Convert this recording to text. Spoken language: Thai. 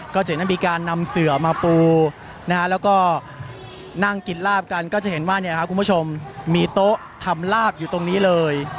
ก็จะเห็นได้มีการนำเสือมาปูแล้วก็นั่งกินลาบกันก็จะเห็นว่าคุณผู้ชมมีโต๊ะทำลาบอยู่ตรงนี้เลย